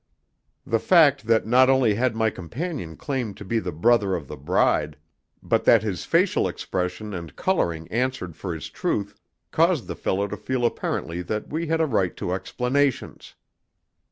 The fact that not only had my companion claimed to be the brother of the bride, but that his facial expression and colouring answered for his truth, caused the fellow to feel apparently that we had a right to explanations.